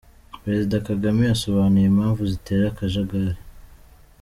Perezida Kagame yasobanuye impamvu zitera akajagari!.